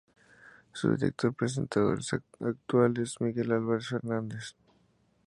Su director y presentador actual es Miguel Álvarez-Fernández.